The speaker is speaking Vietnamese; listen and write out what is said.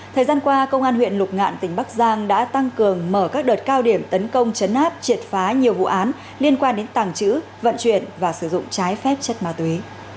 thời gian qua công an huyện lục ngạn tỉnh bắc giang đã tăng cường mở các đợt cao điểm tấn công chấn áp triệt phá nhiều vụ án liên quan đến tàng trữ vận chuyển và sử dụng trái phép chất ma túy